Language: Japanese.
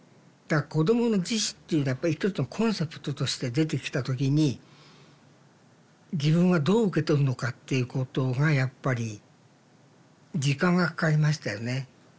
子供の自死っていうやっぱり一つのコンセプトとして出てきた時に自分はどう受け取るのかっていうことがやっぱり時間がかかりましたよね。